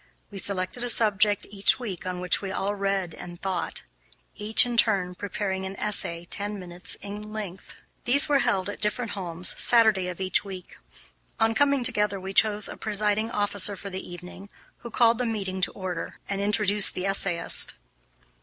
We selected a subject each week on which we all read and thought; each, in turn, preparing an essay ten minutes in length. These were held, at different homes, Saturday of each week. On coming together we chose a presiding officer for the evening, who called the meeting to order, and introduced the essayist.